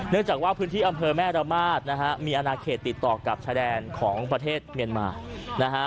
เนื่องจากว่าพื้นที่อมเผลอแม่รมาศมีอนาเคตติดต่อกับชายแดนของประเทศเมียนมาร